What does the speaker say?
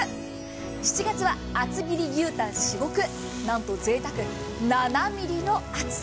７月は厚切り牛タン至極何とぜいたく７ｍｍの厚さ。